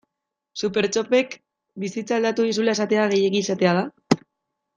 Supertxopek bizitza aldatu dizula esatea gehiegi esatea da?